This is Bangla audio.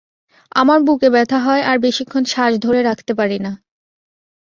আমার বুকে ব্যথা হয় আর বেশিক্ষণ শ্বাস ধরে রাখতে পারি না।